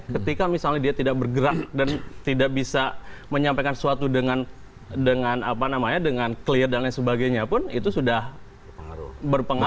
ketika misalnya dia tidak bergerak dan tidak bisa menyampaikan sesuatu dengan clear dan lain sebagainya pun itu sudah berpengaruh